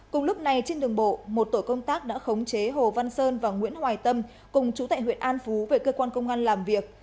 cùng lúc này trên đường bộ một tổ công tác đã khống chế hồ văn sơn và nguyễn hoài tâm cùng chú tại huyện an phú về cơ quan công an làm việc